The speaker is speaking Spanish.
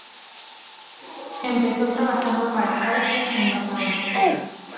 Empezó trabajando para Firestone en Basauri.